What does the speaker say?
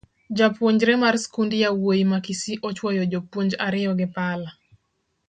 Japuonjre mar skund yawuoyi ma kisii ochuyo jopuonj ariyo gi pala